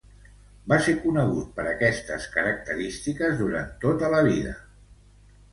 Va ser conegut per estes característiques durant tota la vida.